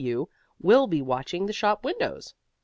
W.W. will be watching the shop windows.